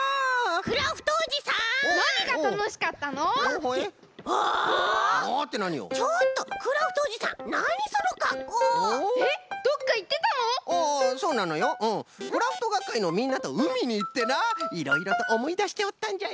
クラフトがっかいのみんなとうみにいってないろいろとおもいだしておったんじゃよ。